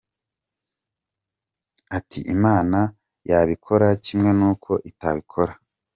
Ati “Imana yabikora kimwe nuko itabikora.